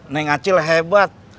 neng acil hebat